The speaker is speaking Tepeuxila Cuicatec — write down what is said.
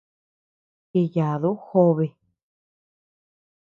Jiyadu jobe.